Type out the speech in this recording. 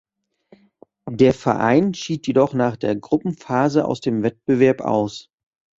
Der Verein schied jedoch nach der Gruppenphase aus dem Wettbewerb aus.